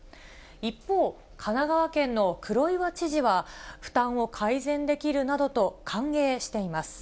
一方、神奈川県の黒岩知事は、負担を改善できるなどと歓迎しています。